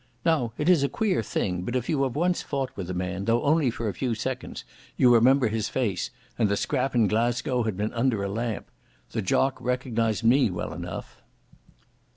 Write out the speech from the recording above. Now it is a queer thing, but if you have once fought with a man, though only for a few seconds, you remember his face, and the scrap in Glasgow had been under a lamp. The jock recognised me well enough.